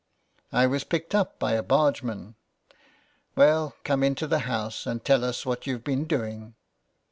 *' I was picked up by a bargeman." " Well, come into the house and tell us what you've been doing."